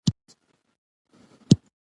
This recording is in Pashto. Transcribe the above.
مورې، ګلانو مې څوکې کړي، ټول را شنه شوي دي.